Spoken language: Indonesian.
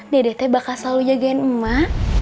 dedet bakal selalu jagain emak